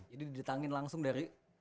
jadi ditangin langsung dari